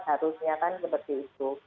harusnya kan seperti itu